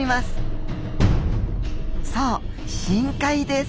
そう深海です。